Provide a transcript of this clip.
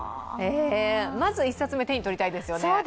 まず一冊目、手に取りたいですね。